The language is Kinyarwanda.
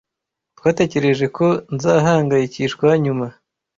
Twatekereje ko nzahangayikishwa nyuma.